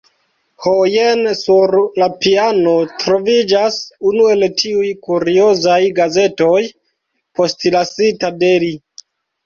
Ho, jen sur la piano troviĝas unu el tiuj kuriozaj gazetoj postlasita de li.